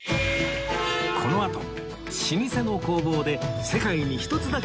このあと老舗の工房で世界に一つだけの手ぬぐい作り